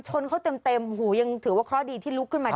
ชนเขาเต็มหูยังถือว่าเคราะห์ดีที่ลุกขึ้นมา